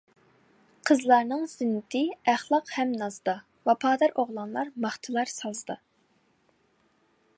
قىزلارنىڭ زىننىتى ئەخلاق ھەم نازدا، ۋاپادار ئوغلانلار ماختىلار سازدا.